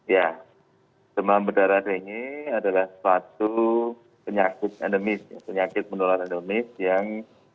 ya demam berdarah dengue adalah satu penyakit pandemis penyakit penular pandemis yang